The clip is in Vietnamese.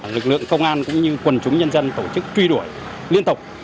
lực lượng công an cũng như quần chúng nhân dân tổ chức truy đuổi liên tục